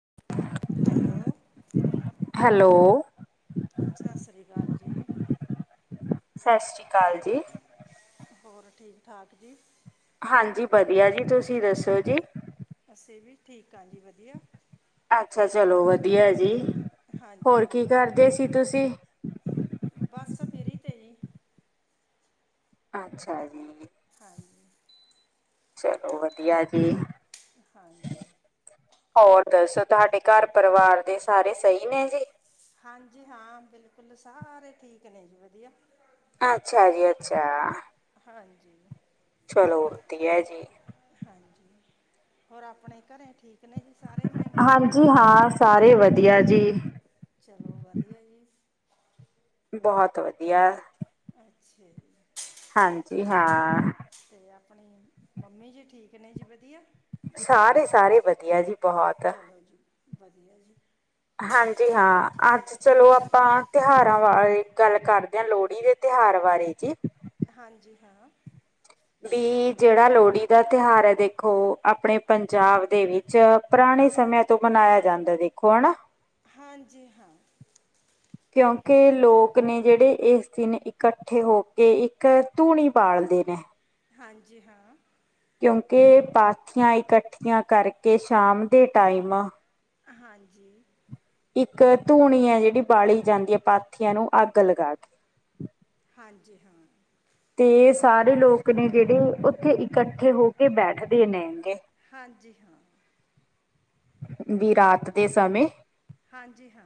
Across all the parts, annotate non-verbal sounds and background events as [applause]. [unintelligible] Hello. Hello. ਸਤਿ ਸ਼੍ਰੀ ਅਕਾਲ ਜੀ। ਸਤਿ ਸ੍ਰੀ ਅਕਾਲ ਜੀ। ਹੋਰ ਠੀਕ ਠਾਕ ਜੀ। ਹਾਂਜੀ ਵਧੀਆ ਜੀ ਤੁਸੀਂ ਦੱਸੋ ਜੀ। ਅਸੀਂ ਵੀ ਠੀਕ ਹਾਂ ਜੀ ਵਧੀਆ। ਅੱਛਾ ਚਲੋ ਵਧੀਆ ਜੀ ਹੋਰ ਕੀ ਕਰਦੇ ਸੀ ਤੁਸੀਂ? ਬਸ ਫਰੀ ਤੇ ਜੀ। ਅੱਛਾ ਜੀ। ਹਾਂਜੀ। ਚਲੋ ਵਧੀਆ ਜੀ, ਹਾਂਜੀ, ਹੋਰ ਦੱਸੋ ਤੁਹਾਡੇ ਘਰ ਪਰਿਵਾਰ ਦੇ ਸਾਰੇ ਸਹੀ ਨੇ ਜੀ, ਹਾਂਜੀ ਹਾਂ ਬਿਲਕੁਲ ਸਾਰੇ ਠੀਕ ਨੇ ਜੀ ਵਧੀਆ, ਅੱਛਾ ਜੀ ਅੱਛਾ, ਹਾਂਜੀ, ਚਲੋ ਵਧੀਆ ਹੈ ਜੀ ਹੋਰ ਆਪਣੇ ਘਰੇ ਠੀਕ ਨੇ? ਹਾਂਜੀ ਹਾਂ ਸਾਰੇ ਵਧੀਆ ਜੀ, ਬਹੁਤ ਵਧੀਆ, ਅੱਛਾ ਜੀ, ਹਾਂਜੀ ਹਾਂ, ਤੇ ਆਪਣੀ ਮੰਮੀ ਜੀ ਠੀਕ ਨੇ ਜੀ ਵਧੀਆ ਸਾਰੇ ਸਾਰੇ ਵਧੀਆ ਜੀ ਬਹੁਤ, ਵਧੀਆ ਜੀ, ਅੱਜ ਚਲੋ ਆਪਾਂ ਤਿਉਹਾਰਾਂ ਬਾਰੇ ਗੱਲ ਕਰਦੇ ਹਾਂ ਲੋਹੜੀ ਦੇ ਤਿਉਹਾਰ ਬਾਰੇ ਜੀ, ਹਾਂਜੀ ਹਾਂ, ਵੀ ਜਿਹੜਾ ਲੋਹੜੀ ਦਾ ਤਿਉਹਾਰ ਹੈ ਦੇਖੋ ਆਪਣੇ ਪੰਜਾਬ ਦੇ ਵਿੱਚ ਪੁਰਾ ਪੁਰਾਣੇ ਸਮਿਆਂ ਤੋਂ ਮਨਾਇਆ ਜਾਂਦਾ ਦੇਖੋ ਹਨਾ। ਹਾਂਜੀ ਹਾਂ, ਕਿਉਂਕਿ ਲੋਕ ਨੇ ਜਿਹੜੇ ਇਸ ਦਿਨ ਇਕੱਠੇ ਹੋ ਕੇ ਇੱਕ ਧੂਣੀ ਪਾਲਦੇ ਨੇ ਹਾਂਜੀ ਹਾਂ, ਕਿਉਂਕਿ ਪਾਥੀਆਂ ਇਕੱਠੀਆਂ ਕਰਕੇ ਸ਼ਾਮ ਦੇ ਟਾਈਮ ਹਾਂਜੀ ਧੂਣੀ ਹੈ ਜਿਹੜੀ ਬਾਲੀ ਜਾਂਦੀ ਹੈ ਪਾਥੀਆਂ ਨੂੰ ਅੱਗ ਲਗਾ ਕੇ ਹਾਂਜੀ ਹਾਂ ਤੇ ਸਾਰੇ ਲੋਕ ਨੇ ਜਿਹੜੇ ਉੱਥੇ ਇਕੱਠੇ ਹੋ ਕੇ ਬੈਠਦੇ ਨੇਗੇ ਹਾਂਜੀ ਹਾਂ ਵੀ ਰਾਤ ਦੇ ਸਮੇਂ ਹਾਂਜੀ ਹਾਂ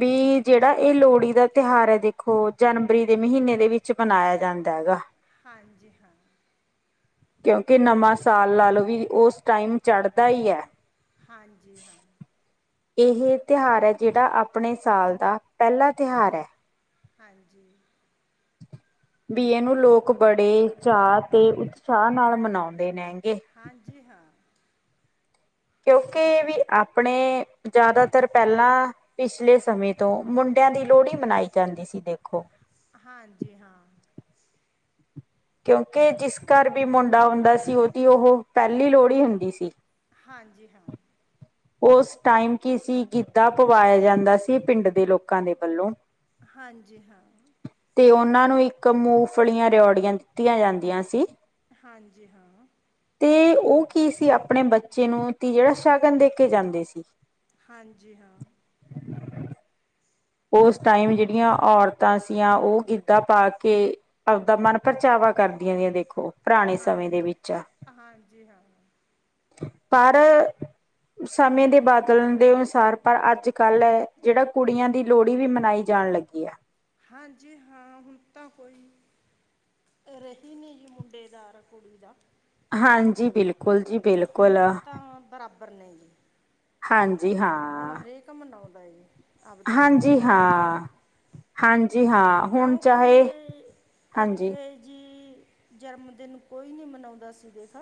ਵੀ ਜਿਹੜਾ ਇਹ ਲੋਹੜੀ ਦਾ ਤਿਉਹਾਰ ਹੈ ਦੇਖੋ ਜਨਵਰੀ ਦੇ ਮਹੀਨੇ ਦੇ ਵਿੱਚ ਮਨਾਇਆ ਜਾਂਦਾ ਹੈਗਾ। ਹਾਂਜੀ ਹਾਂ। ਕਿਉਂਕਿ ਨਵਾਂ ਸਾਲ ਲਾ ਲਓ ਵੀ ਉਸ ਟਾਈਮ ਚੜ੍ਹਦਾ ਹੀ ਹੈ। ਹਾਂਜੀ ਹਾਂ, ਇਹ ਤਿਉਹਾਰ ਹੈ ਜਿਹੜਾ ਆਪਣੇ ਸਾਲ ਦਾ ਪਹਿਲਾ ਤਿਉਹਾਰ ਹੈ। ਹਾਂਜੀ, ਬੀ ਏ ਨੂੰ ਲੋਕ ਬੜੇ ਚਾਅ ਤੇ ਉਤਸ਼ਾਹ ਨਾਲ ਮਨਾਦੇ ਨੇ ਹਾਂਜੀ ਹਾਂ, ਕਿਉਂਕਿ ਵੀ ਆਪਣੇ ਜ਼ਿਆਦਾਤਰ ਪਹਿਲਾਂ ਪਿਛਲੇ ਸਮੇ ਤੋਂ ਮੁੰਡੇ, ਮੁੰਡਿਆਂ ਦੀ ਲੋਹੜੀ ਮਨਾਈ ਜਾਂਦੀ ਸੀ ਦੇਖੋ ਹਾਂਜੀ ਹਾਂ ਕਿਉਂਕਿ ਜਿਸ ਘਰ ਵੀ ਮੁੰਡਾ ਹੁੰਦਾ ਸੀ ਉਹਦੀ ਉਹ ਪਹਿਲੀ ਲੋਹੜੀ ਹੁੰਦੀ ਸੀ। ਹਾਂਜੀ ਹਾਂ ਉਸ ਟਾਈਮ ਕੀ ਸੀ ਗਿੱਧਾ ਪਵਾਇਆ ਜਾਂਦਾ ਸੀ ਪਿੰਡ ਦੇ ਲੋਕਾਂ ਦੇ ਵੱਲੋਂ ਹਾਂਜੀ ਹਾਂ ਤੇ ਉਹਨਾਂ ਨੂੰ ਇੱਕ ਮੂੰਗਫਲੀਆਂ ਰਓੜੀਆਂ ਦਿੱਤੀਆਂ ਜਾਂਦੀਆਂ ਸੀ ਹਾਂਜੀ ਹਾਂ ਕੀ ਸੀ ਆਪਣੇ ਬੱਚੇ ਨੂੰ ਤੀ ਜਿਹੜਾ ਸ਼ਗਨ ਦੇ ਕੇ ਜਾਂਦੇ ਸੀ ਹਾਂਜੀ ਹਾਂ ਉਸ ਟਾਈਮ ਜਿਹੜੀਆਂ ਔਰਤਾਂ ਸੀਆਂ ਉਹ ਗਿੱਧਾ ਪਾ ਕੇ ਆਪਨਾ ਮਨ ਪਰਚਾਵਾ ਕਰਦੀਆਂ ਦੀਆਂ ਦੇਖੋ ਪੁਰਾਣੇ ਸਮੇਂ ਦੇ ਵਿੱਚ ਆ ਪਰ ਸਮੇਂ ਦੇ ਬਦਲਣ ਦੇ ਅਨੁਸਾਰ ਪਰ ਅੱਜ ਕੱਲ੍ਹ ਹੈ ਜਿਹੜਾ ਕੁੜੀਆਂ ਦੀ ਲੋਹੜੀ ਵੀ ਮਨਾਈ ਜਾਣ ਲੱਗੀ ਹੈ। ਹਾਂਜੀ ਹਾਂ ਹੁਣ ਤਾਂ ਕੋਈ ਰਹੀ ਨਹੀਂ ਜੀ ਮੁੰਡੇ ਦਾ ਕੁੜੀ ਦਾ। ਹਾਂਜੀ ਬਿਲਕੁਲ ਜੀ। ਹੁਣ ਤਾਂ ਬਰਾਬਰ ਨੇ ਜੀ। ਹੁਣ ਹਰੇਕ ਮਨਾਉਂਦਾ ਐ ਆਪਦੇ ਬੱਚੇ ਦਾ ਤਿਉਹਾਰ। ਹਾਂਜੀ ਹਾਂ ਹੁਣ ਚਾਹੇ ਹਾਂਜੀ। ਜਨਮ ਦਿਨ ਕੋਈ ਨਹੀਂ ਮਨਾਉਂਦਾ ਸੀ ਦੇਖ।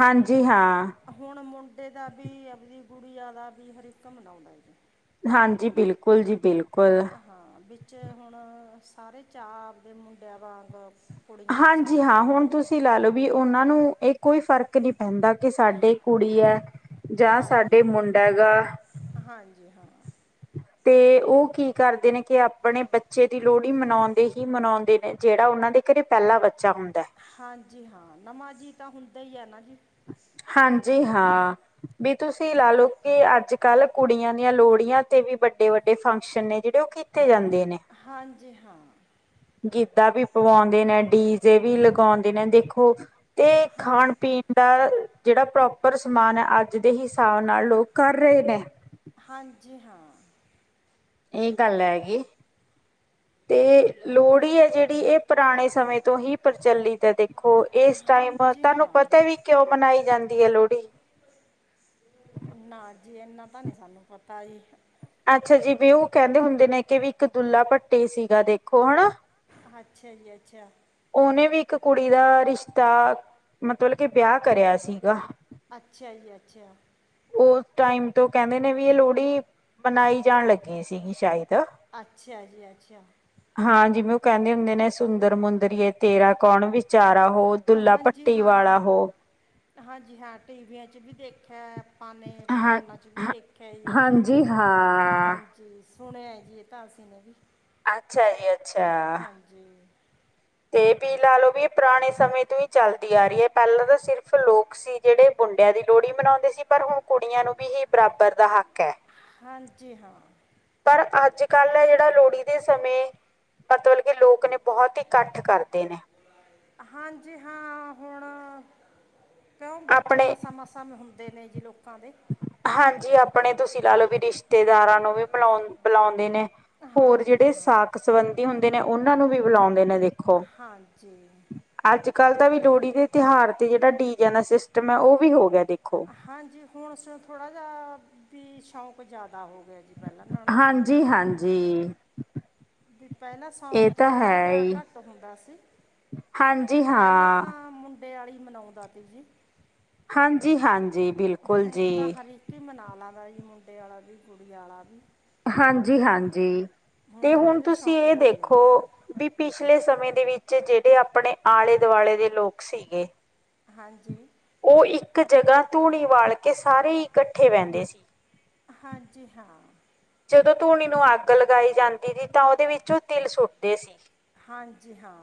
ਹਾਂਜੀ ਹਾਂ। ਹੁਣ ਮੁੰਡੇ ਦਾ ਵੀ ਅ ਗੁੜੀਆਂ ਦਾ ਵੀ ਹਰੇਕ ਮਨਾਉਂਦਾ ਐ। ਹਾਂਜੀ ਬਿਲਕੁਲ ਜੀ ਬਿਲਕੁਲ। ਸਾਰੇ ਚਾਅ ਆਪਦੇ ਮੁੰਡਿਆਂ ਵਾਂਗ ਹਾਂਜੀ ਹਾਂ ਹੁਣ ਤੁਸੀਂ ਲਾ ਲਓ ਵੀ ਉਹਨਾਂ ਨੂੰ ਇਹ ਕੋਈ ਫ਼ਰਕ ਨਹੀਂ ਕਹਿੰਦਾ ਕਿ ਸਾਡੇ ਕੁੜੀ ਹੈ ਜਾਂ ਸਾਡੇ ਮੁੰਡਾ ਗਾ। ਤੇ ਉਹ ਕੀ ਕਰਦੇ ਨੇ ਕਿ ਆਪਣੇ ਬੱਚੇ ਦੀ ਲੋਹੜੀ ਮਨਾਉਂਦੇ ਹੀ ਮਨਾਉਂਦੇ ਨੇ ਜਿਹੜਾ ਉਹਨਾਂ ਤੇ ਘਰੇ ਪਹਿਲਾਂ ਹਾਂਜੀ ਹਾਂ ਨਵਾਂ ਜੀ ਤਾਂ ਹੁੰਦਾ ਹੀ ਹੈ ਨਾ। ਹਾਂਜੀ ਹਾਂ। ਵੀ ਤੁਸੀਂ ਲਾ ਲਓ ਕਿ ਅੱਜ ਕੱਲ ਕੁੜੀਆਂ ਦੀਆਂ ਲੋਹੜੀਆਂ ਤੇ ਵੀ ਵੱਡੇ ਵੱਡੇ ਫੰਕਸ਼ਨ ਨੇ ਜਿਹੜੇ ਕੀਤੇ ਜਾਂਦੇ ਹਾਂਜੀ ਹਾਂ। ਗਿੱਧਾ ਵੀ ਪਵਾਉਂਦੇ ਨੇ ਡੀਜੇ ਵੀ ਲਗਾਉਂਦੇ ਨੇ ਦੇਖੋ। ਤੇ ਖਾਣ ਪੀਣ ਦਾ ਜਿਹੜਾ ਪ੍ਰੋਪਰ ਸਮਾਨ ਹੈ ਅੱਜ ਦੇ ਹਿਸਾਬ ਨਾਲ ਲੋਕ ਕਰ ਰਹੇ ਨੇ। ਹਾਂਜੀ ਹਾਂ। ਇਹ ਗੱਲ ਹੈਗੀ ਤੇ ਲੋਹੜੀ ਹੈ ਜਿਹੜੀ ਇਹ ਪੁਰਾਣੇ ਸਮੇਂ ਤੋਂ ਹੀ ਪ੍ਰਚਲਿਤ ਹੈ ਦੇਖ ਹੋਂ ਏਸ ਟਾਈਮ ਬਾਦ, ਤੁਹਾਨੂੰ ਪਤਾ ਵੀ ਕਿਉਂ ਮਨਾਈ ਜਾਂਦੀ ਅ ਲੋਹੜੀ? ਨਾ ਜੀ, ਇਨਾ ਤਾਂ ਨੀ ਸਾਨੂੰ ਪਤਾ ਈ? ਅੱਛਾਂਜੀ, ਵੀ ਉਹ ਕਹਿੰਦੇ ਹੁੰਦੇ ਨੇ ਕਿ, ਵੀ ਇੱਕ ਦੁੱਲਾ-ਭੱਟੀ ਸੀ ਗਾ ਦੇਖੋ ਅਨਾ। ਅੱਛਾ ਜੀ ਅੱਛਾ। ਉਹਨੇ ਵੀ ਇੱਕ ਕੁੜੀ ਦਾ ਰਿਸ਼ਤਾ ਮਤਲਬ ਕੇ ਵਿਆਹ ਕਰਿਆ ਸੀਗਾ। ਅੱਛਾ ਜੀ ਅੱਛਾ। ਉਸ ਟਾਈਮ ਤੋਂ ਕਹਿੰਦੇ ਨੇ ਵੀ ਇਹ ਲੋਹੜੀ ਮਨਾਈ ਜਾਣ ਲੱਗੀ ਸੀਗੀ ਸ਼ਾਇਦ। ਅੱਛਾ ਜੀ ਅੱਛਾ। ਕਹਿੰਦੇ ਹੁੰਦੇ ਨੇ ਸੁੰਦਰ ਮੁੰਦਰੀਏ ਤੇਰਾ ਕੌਣ ਵਿਚਾਰਾ। ਹੋ ਦੁੱਲਾ ਭੱਟੀ ਵਾਲਾ ਹੋ। ਹਾਂਜੀ ਹਾਂ ਟੀਵੀਆਂ ਚ ਵੀ ਦੇਖਿਆ ਐ। ਹਾਂ ਹ ਹਾਂਜੀ ਹਾਂ। ਸੁਣਿਆ ਆ ਜੀ ਇਹ ਤਾਂ ਅਸੀ ਵੀ। ਅੱਛਾ ਜੀ ਅੱਛਾ। ਤੇ ਵੀ ਲਾ ਲਓ ਵੀ ਇਹ ਪੁਰਾਣੇ ਸਮੇਂ ਤੋਂ ਹੀ ਚੱਲਦੀ ਆ ਰਹੀ ਹੈ ਪਹਿਲਾਂ ਤਾਂ ਸਿਰਫ਼ ਲੋਕ ਸੀ ਜਿਹੜੇ ਬੰ ਮੁੰਡਿਆਂ ਦੀ ਲੋਹੜੀ ਮਨਾਉਂਦੇ ਸੀ ਪਰ ਹੁਣ ਕੁੜੀਆਂ ਨੂੰ ਵੀ ਹੀ ਬਰਾਬਰ ਦਾ ਹੱਕ ਹੈ। ਹਾਂਜੀ ਹਾਂ। ਪਰ ਅੱਜ ਕੱਲ੍ਹ ਹੈ ਜਿਹੜਾ ਲੋਹੜੀ ਦੇ ਸਮੇਂ ਮਤਲਬ ਕਿ ਲੋਕ ਨੇ ਬਹੁਤ ਹੀ ਇਕੱਠ ਕਰਦੇ ਨੇ। ਹਾਂਜੀ ਹਾਂ ਹੁਣ ਕਿਉਂ ਬੱਚੇ ਮਸਾਂ ਮਸਾਂ ਹੁੰ ਦੇ ਨੇ ਜੀ ਲੋਕਾਂ ਦੇ। ਹਾਂਜੀ ਆਪਣੇ ਤੁਸੀਂ ਲਾ ਲਓ ਵੀ ਰਿਸ਼ਤੇਦਾਰਾਂ ਨੂੰ ਵੀ ਬਲਾ ਬੁਲਾਉਂਦੇ ਨੇ। ਹੋਰ ਜਿਹੜੇ ਸਾਕ ਸੰਬੰਧੀ ਹੁੰਦੇ ਨੇ, ਉਹਨਾਂ ਨੂੰ ਵੀ ਬੁਲਾਉਂਦੇ ਨੇ ਦੇਖੋ। ਅੱਜ ਕਲ ਤਾਂ ਵੀ ਲੋਹੜੀ ਦੇ ਤਿਉਹਾਰ ਤੇ, ਅ ਡੀ ਜੇ, ਦਾ ਸਿਸਟਮ ਉਹ ਵੀ ਹੋ ਗਿਆ। ਹਾਂਜੀ, ਹੁਣ ਉਸ ਨੂੰ ਥੋੜਾ ਜਿਹਾ, ਵੀ ਸ਼ੋਕ ਜ਼ਿਆਦਾ ਹੋ ਗਿਆ? ਹਾਂਜੀ--ਹਾਂਜੀ। ਮੈਨੂੰ ਸੌਕ, ਥੋੜਾ ਜਿਹਾ ਘੱਟ ਹੁੰਦਾ ਸੀ। ਹਾਂਜੀ ਹਾਂ ਪਿਆਲੀ, ਮਨਾਉਂਦਾ ਸੀ ਜੀ। ਹਾਂਜੀ--ਹਾਂਜੀਂ ਬਿਲਕੁਲ ਜੀ। ਮੁੰਡੇ ਆਲਾ, ਵੀ ਕੁੜੀ ਆਾਲਾ, ਵੀ ਹਾਂਜੀ ਹਾਂਜੀ। ਤੇ ਹੁਣ ਤੁਸੀਂ ਇਹ ਦੇਖੋ, ਬਿ ਪਿਛਲੇ ਸਮੇਂ ਦੇ ਵਿੱਚ ਤੇ ਜਿਹੜੇ ਆਪਣੇ, ਆਲੇ ਦੁਆਲੇ ਦੇ ਲੋਕ ਸੀ ਗੇ ਹਾਂਜੀ, ਉਹ ਇੱਕ ਜਗ੍ਹਾ, ਧੂਣੀ ਬਾਲ ਕੇ ਸਾਰੇ ਇਕੱਠੇ, ਬਹਿੰਦੇ ਸੀ। ਹਾਂਜੀ-ਹਾਂ। ਜਦੋਂ ਧੂਣੀ, ਨੂੰ ਅੱਗ ਲਗਾਈ ਜਾਂਦੀ ਜੀ, ਤਾਂ ਉਹਦੇ ਵਿੱਚ ਤਿਲ ਸੁੱਟੇ ਸੀ। ਹਾਂਜੀ, ਹਾਂ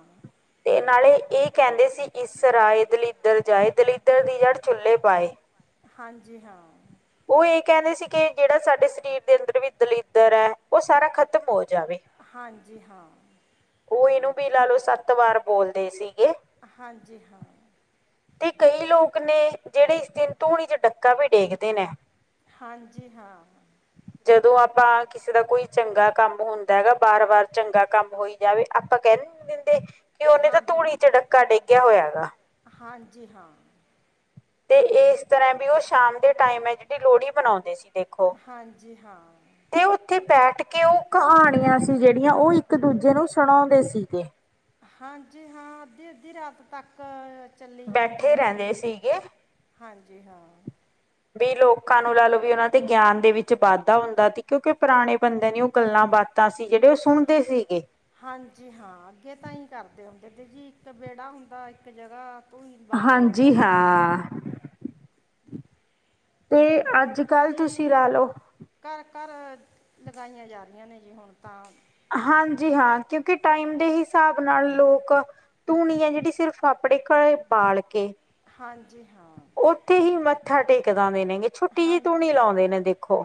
ਨਾਲੇ ਇਹ ਕਹਿੰਦੇ ਸੀ, ਇਸ ਰਾਏ ਦਿੱਲਦਰ ਜਾਏ, ਦਲਿੱਦਰ, ਦੀ ਜੜ੍ਹ ਚੁੱਲ੍ਹੇ ਪਾਏ। ਹਾਂਜੀ ਹਾਂ ਕਹਿੰਦੇ ਸੀ, ਕਿ ਜਿਹੜਾ ਸਾਡੇ ਸਰੀਰ ਦੇ ਅੰਦਰ ਵੀ ਦਲਿੱਦਰ ਹੈ, ਉਹ ਸਾਰਾ ਖਤਮ ਹੋਏ। ਹਾਂਜੀ, ਹਾਂ। ਉਹ ਇਹਨੂੰ ਵੀ ਲਾ ਲਓ, ਸੱਤ ਵਾਰ ਬੋਲਦੇ ਸੀਗੇ। ਹਾਂਜੀ। ਤੇ ਕਈ ਲੋਕ ਨੇ ਜਿਹੜੇ, ਇਸ ਦਿਨ ਧੂਣੀ ਚ ਮੱਥਾ, ਵੀ ਟੇਕਦੇ ਨੇ। ਹਾਂਜੀ, ਹਾਂ। ਜਦੋਂ ਆਪਾਂ, ਕਿਸੇ ਦਾ ਕੋਈ ਚੰਗਾ ਕੰਮ ਹੁੰਦਾ ਹੈ। ਬਾਰ--ਬਾਰ ਚੰਗਾ ਕੰਮ ਹੋਈ ਜਾਵੇ ਆਪਾਂ ਕਹਿ ਨਈ ਦਿੰਦੇ, ਕਿ ਉਹਨੇ ਤਾਂ ਤੂਣੀ, ਚ ਡੱਕਾ ਡੇਗਿਆ ਹੋਇਆ ਹੈਗਾ। ਹਾਂਜੀ ਹਾ। ਤੇ ਇਸ ਤਰ੍ਹਾਂ ਬੀ ਉਹ ਸ਼ਾਮ ਦੇ ਟਾਈਮ ਇਕੱਠੇ, ਲੋਹੜੀ ਮਨਾਉਂਦੇ ਸੀ। ਦੇਖੋ, ਤੇ ਉੱਥੇ ਬੈਠ ਕੇ ਕਿ, ਉਹ ਕਹਾਣੀਆਂ ਸੀ, ਜਿਹੜੀਆਂ ਉਹ ਇੱਕ ਦੂਜੇ ਨੂੰ ਸੁਣਾਉਂਦੇ ਸੀ ਗੇ। ਹਾਂਜੀਂ, ਹਾਂ।। ਅੱਧੀ -ਅੱਧੀ ਰਾਤ ਤੱਕ ਬੈਠੇ, ਰਹਿੰਦੇ ਸੀਗੇ? ਹਾਂਜੀ, ਹਾਂ ਕਈ ਲੋਕਾਂ ਨੂੰ ਲੈ ਲਉ, ਵੀ ਉਹਨਾਂ ਦੇ ਗਿਆਨ ਦੇ ਵਿੱਚ, ਵਾਧਾ ਹੁੰਦਾ ਕਿਉਂ ਕਿ, ਪੁਰਾਣੇ ਬੰਦੇ ਨੇ ਉਹ ਗੱਲਾਂ ਬਾ, ਤਾਂ ਅਸੀਂ, ਜਿਹੜੇ ਉਹ ਸੁਣਦੇ ਸੀਗੇ। ਹਾਂਜੀ, ਹਾਂ ਅੱਗੇ ਤਾਂ ਹੀ ਕਰਦੇ ਹੁੰਦੇ ਸੀ ਜੀ, ਇੱਕ ਵਿੇਹੜਾ ਹੁੰਦਾ, ਇੱਕ ਜਗ੍ਹਾ ਹਾਂਜੀ, ਹਾ ਤੇ ਅੱਜ--ਕੱਲ੍ਹ ਤੁਸੀਂ ਰਹਿ ਲਓ। ਘਰ, ਲਗਾਈਆਂ ਜਾ ਰਹੀਆਂ ਨੇ ਜੀ ਹੁਣ ਤਾਂ ਹਾਂਜੀ, ਹਾਂ ਕਿਉਂਕਿ, ਟਾਈਮ ਦੇ ਹਿਸਾਬ ਨਾਲ ਲੋਕ ਧੂਣੀ, ਏ ਜਿਹੜੀ ਸਿਰਫ ਆਪ [unintelligible] ਉੱਥੇ ਹੀ ਮੱਥਾ ਟਿੱਕਦਾ ਵੀ ਨਈ। ਏ ਛੁੱਟੀ ਜਈ, ਕਿਉਂ ਨਈ, ਲਾਉਂਦੇ ਨੇ ਦੇਖੋ।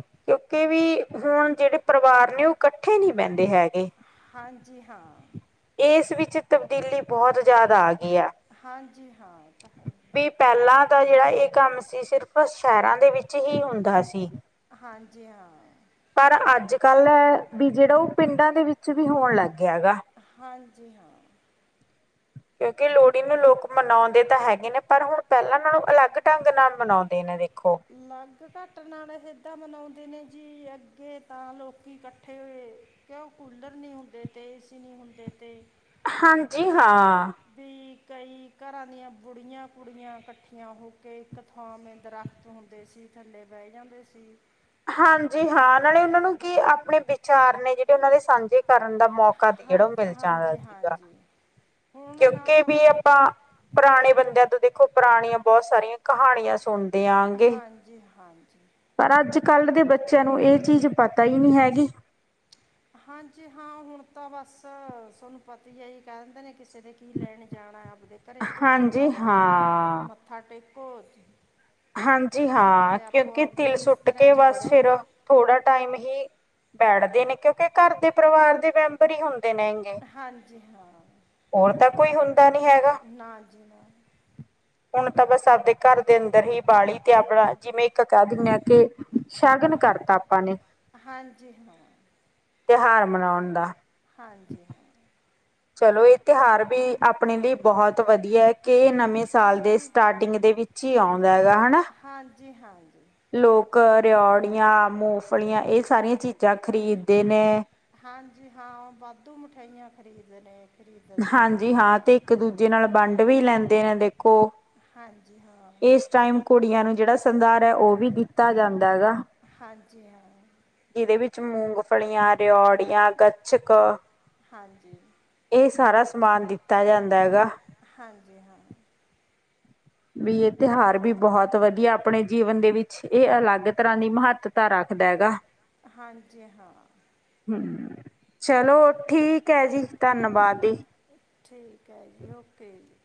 ਕਿਉਂਕਿ, ਵੀ ਹੁਣ ਜਿਹੜੇ ਪਰਿਵਾਰ, ਨੇ ਉਹ ਇਕੱਠੇ, ਨਹੀਂੀ ਬਹਿੰਦੇ ਹੈਗੇ। ਹਾਂਜੀ, ਹਾਂ। ਇਸ ਵਿੱਚ ਤਬਦੀਲੀ, ਬਹੁਤ ਜਿਆਦਾ ਆ ਗ ਹਾਂਜੀ ਹਾਂ ਤਾਂ ਹੈ। ਤਾਂ ਜਿਹੜਾ ਇਹ ਕੰਮ ਸੀ ਸਿਰਫ ਸ਼ਹਿਰਾਂ ਦੇ ਵਿੱਚ ਹੀ ਹੁੰਦਾ ਸੀ। ਹਾਂਜੀ ਹਾਂ। ਕੱਲ ਬੀ ਜਿਹੜਾ ਉਹ ਜਿਹੜਾ ਪਿੰਡਾਂ ਦੇ ਵਿੱਚ ਵੀ ਹੋਣ ਲੱਗ ਗਿਆ ਹੈਗਾ। ਜੀ ਹਾਂ। ਕਿਉਂਕਿ ਲੋਹੜੀ ਤੇ ਲੋਕ ਮਨਾਉਂਦੇ ਤਾਂ ਹੈਗੇ ਨੇ ਪਰ ਹੁਣ ਪਹਿਲਾ ਨਾਲੋਂ ਅਲੱਗ ਢੰਗ ਨਾਲ ਮਨਾਉਂਦੇ ਨੇ ਵੇ। ਅਲੱਗ ਢੰਗ ਨਾਲ ਇਹ ਹੈ। ਤਾ ਮਨਾਉਂਦੇ ਨੇ ਜੀ ਅੱਗੇ ਤਾਂ ਲੋਕੀ ਇਕੱਠੇ ਕਿ ਉਹ ਕੂਲਰ ਨ [unintelligible] ਏਸੀ ਨੀ ਹੁੰਦੇ ਅਤੇ ਹਾਂਜੀ ਹਾਂ। ਕਈ ਘਰਾਂ ਦੀਆਂ ਬੁੜੀਆਂ ਕੁੜੀਆਂ ਕੱਠੀਆਂ ਹੋ ਕੇ ਇੱਕ ਥਾਂ ਮੰਦਰਾ ਲੈ ਹੁੰਦੇ ਸੀ। ਥੱਲੇ ਬੈ ਜਾਂਦੇ ਸੀ। ਹਾਂਜੀ ਹਾਂ ਨਾਲੇ ਉਹਨਾਂ ਨੂੰ ਕੀ ਆਪਣੇ ਵਿਚਾਰ ਨੇ ਜਿਹੜੇ ਉਹਨਾਂ ਦੇ ਸਾਂਝੇ ਕਰਨ ਦਾ ਮੌਕਾ [unintelligible] ਕਿਉਂਕਿ ਵੀ ਆਪਾਂ ਪੁਰਾਣੇ ਬੰਦਿਆਂ ਤੋਂ ਦੇਖੋ ਪੁਰਾਣੀਆਂ ਬਹੁਤ ਸਾਰੀਆਂ ਕਹਾਣੀਆਂ ਸੁਣ। ਹਾਂਜੀ ਹਾਂਜ। ਪਰ ਅੱਜ ਕੱਲ੍ਹ ਦੇ ਬੱਚਿਆਂ ਨੂੰ ਇਹ ਚੀਜ਼ ਪਤਾ ਹੀ ਨੀਂ ਹੈਗੀ। ਹਾਂਜੀ ਹਾਂ ਹੁਣ ਤਾਂ ਬਸ ਤੁਹਾਨੂੰ ਪਤੀ ਹੈ ਹੀ ਕਹਿ ਦਿੰਦੇ ਨੇ ਕਿ ਕਿਸੇ ਤੇ ਕੀ ਲੈਣ ਜਾਣਾ ਆਪਦੇ ਘਰੇ ਧੂਣੀ ਲਗਾਓ ਮੱਥਾ ਟੇਕੋ ਹਾਂਜੀ ਹਾਂ ਕਿਉਂਕਿ ਤਿਲ ਸੁੱਟ ਕੇ ਬਸ ਫਿਰ ਥੋੜਾ ਟਾਈਮ ਹੀ ਬੈਠਦੇ ਨੇ ਕਿਉਂਕਿ ਘਰ ਦੇ ਪਰਿਵਾਰ ਦੇ ਮੈਂਬਰ ਹੀ ਹੁਣ ਦੇ ਨੇਗੇ ਹੋਰ ਤਾਂ ਕੋਈ ਹੁਣ ਨਾ ਜੀ ਨਾ। ਹੁਣ ਤਾਂ ਬਸ ਆਪਦੇ ਘਰ ਦੇ ਅੰਦਰ ਹੀ ਬਾੜੀ ਤੇ ਆਪਣਾ ਜਿਵੇਂ ਇੱਕ ਕਹਿ ਦਿਨੇ ਆ ਕਿ। ਸ਼ਗਨ ਕਰਤਾ ਆਪਾਂ ਨੇ ਤਿਉਹਾਰ ਮਨਾਉਣ ਦਾ। ਹਾਂਜੀ। ਚਲੋ ਇਹ ਤਿਉਹਾਰ ਵੀ ਆਪਣੇ ਲਈ ਬਹੁਤ ਵਧੀਆ ਹੈ। ਕੇ ਨਵੇਂ ਸਾਲ ਦੇ ਸਟਾਰਟਿੰਗ ਦੇ ਵਿੱਚ ਹੀ ਆਉਂਦਾ ਹੈਗਾ ਹੈ ਨਾ। ਜੀ ਹਾਂਜੀ। ਲੋਕ ਰਿਓੜੀਆਂ ਮੂੰਗਫਲੀਆਂ ਇਹ ਸਾਰੀਆਂ ਚੀਜ਼ਾਂ ਖਰੀਦਦੇ ਨੇ। ਹਾਂਜੀ ਹਾਂ ਉਹ ਵਾਧੂ ਮਿਠਾਈਆਂ ਖਰੀਦਦੇ ਨੇ ਹਾਂਜੀ ਹਾਂ ਤੇ ਇੱਕ ਦੂਜੇ ਨਾਲ ਵੰਡ ਵੀ ਲੈਂਦੇ ਨੇ ਦੇਖੋ। ਇਸ ਟਾਈਮ ਕੁੜੀਆਂ ਨੂੰ ਜਿਹੜਾ ਸੰਦਾਰਾ ਹੈ ਉਹ ਵੀ ਦਿੱਤਾ ਜਾਂਦਾ ਹੈਗਾ। ਹਾਂਜੀ ਹਾਂ। ਜਿਹਦੇ ਵਿੱਚ ਮੂੰਗਫਲੀਆਂ ਰਿਓੜੀਆਂ ਗਚਕ। ਹਾਂਜੀ। ਮਾਨ ਦਿੱਤਾ ਜਾਂਦਾ। ਹਾਂਜੀ ਹਾਂ। ਵੀ ਇਹ ਤਿਉਹਾਰ ਵੀ ਬਹੁਤ ਵਧੀਆ ਆਪਣੇ ਜੀਵਨ ਦੇ ਵਿੱਚ ਇਹ ਅਲੱਗ ਤਰ੍ਹਾਂ ਦੀ ਮਹੱਤਤਾ ਰੱਖ ਰੱਖਦਾ ਹੈਗਾ। ਹਾਂਜੀ ਹਾਂ। ਚਲੋ ਠੀਕ ਹੈ ਜੀ ਠੀਕ ਹੈ ਜੀ ਓਕੇ ਜੀ